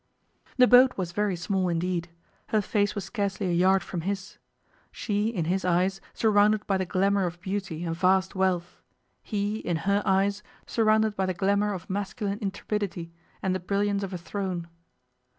The boat was very small indeed; her face was scarcely a yard from his. She, in his eyes, surrounded by the glamour of beauty and vast wealth; he, in her eyes, surrounded by the glamour of masculine intrepidity and the brilliance of a throne.